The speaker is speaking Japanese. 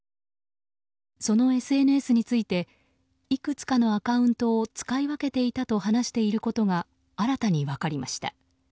そのＳＮＳについていくつかのアカウントを使い分けていたと話していることが新たに分かりました。